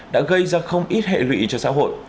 đã gây ra không ít hệ lụy cho xã hội